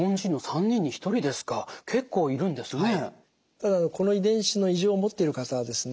ただこの遺伝子の異常を持っている方はですね